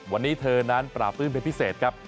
วันนี้เธอนั้นปราบปื้มเป็นพิเศษครับ